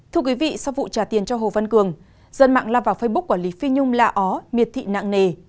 thưa quý vị sau vụ trả tiền cho hồ văn cường dân mạng la vào facebook quản lý phi nhung lạ ó miệt thị nặng nề